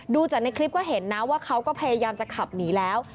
ดูจากในคลิปก็เห็นนะว่าเขาก็พยายามจะขับหนีแล้ว